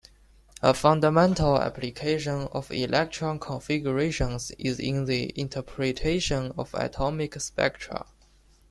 A fundamental application of electron configurations is in the interpretation of atomic spectra.